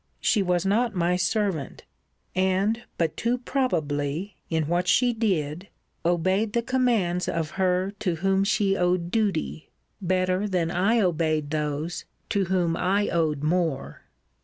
She was not my servant; and but too probably, in what she did, obeyed the commands of her to whom she owed duty, better than I obeyed those to whom I owed more.